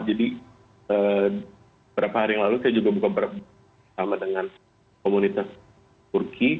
jadi beberapa hari yang lalu saya juga berbuka puasa sama dengan komunitas